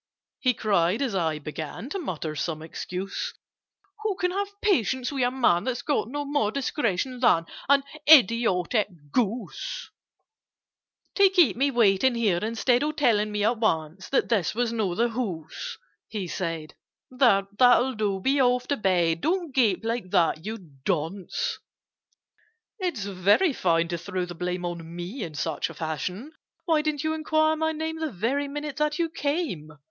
he cried, as I began To mutter some excuse. "Who can have patience with a man That's got no more discretion than An idiotic goose? [Picture: To walk four miles through mud and rain] "To keep me waiting here, instead Of telling me at once That this was not the house!" he said. "There, that'll do—be off to bed! Don't gape like that, you dunce!" "It's very fine to throw the blame On me in such a fashion! Why didn't you enquire my name The very minute that you came?"